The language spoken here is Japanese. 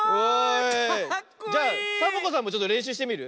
じゃサボ子さんもちょっとれんしゅうしてみる？